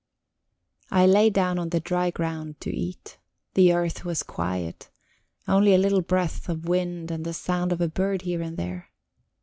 I lay down on the dry ground to eat. The earth was quiet only a little breath of wind and the sound of a bird here and there.